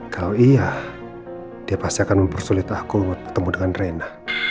kalau iya dia pasti akan mempersulit aku ketemu dengan rena